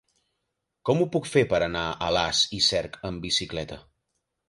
Com ho puc fer per anar a Alàs i Cerc amb bicicleta?